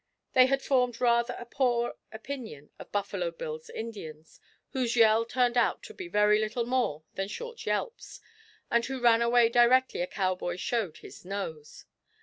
They had formed rather a poor opinion of Buffalo Bill's Indians, whose yell turned out to be very little more than short yelps, and who ran away directly a Cowboy showed his nose.